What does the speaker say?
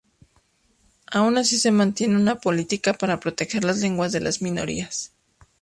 Aun así se mantiene una política para proteger las lenguas de las minorías.